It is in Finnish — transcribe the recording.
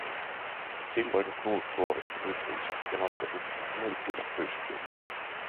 Silloin Knut suoristi ryhtinsä ja nosti nyrkkinsä pystyyn.